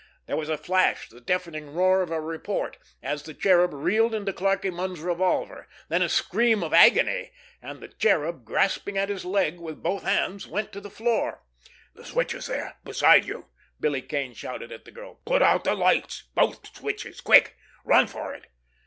There was a flash, the deafening roar of a report, as the Cherub reeled into Clarkie Munn's revolver; then a scream of agony, and the Cherub, grasping at his leg with both hands, went to the floor. "The switches there—beside you!" Billy Kane shouted at the girl. "Put out the lights—both switches! Quick! Run for it!"